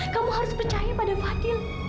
kamu harus percaya pada fadil